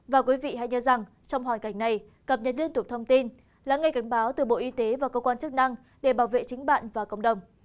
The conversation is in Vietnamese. và quý vị hãy nhớ rằng trong hoàn cảnh này cập nhật liên tục thông tin lắng nghe cảnh báo từ bộ y tế và cơ quan chức năng để bảo vệ chính bạn và cộng đồng